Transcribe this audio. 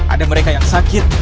ada mereka yang sakit